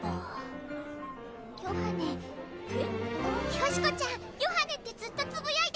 善子ちゃん「ヨハネ」ってずっとつぶやいてた！